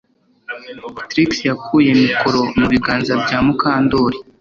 Trix yakuye mikoro mu biganza bya Mukandoli